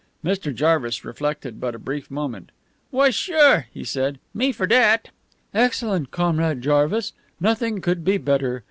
Mr. Jarvis reflected but a brief moment. "Why, sure," he said. "Me fer dat." "Excellent, Comrade Jarvis. Nothing could be better.